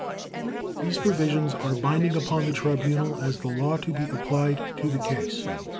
These provisions are binding upon the Tribunal as the law to be applied to the case.